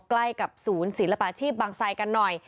ใกล้กับศูนย์ศิลปาชีพบางไซกันหน่อย